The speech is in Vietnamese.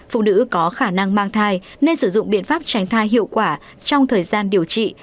phụ nữ có khả năng mang thai nên sử dụng biện pháp tránh thai hiệu quả trong thời gian điều trị